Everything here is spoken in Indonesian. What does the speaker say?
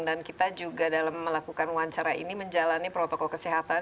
dan kita juga dalam melakukan wawancara ini menjalani protokol kesehatan